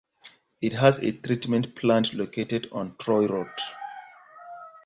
It has a treatment plant located on Troy Road.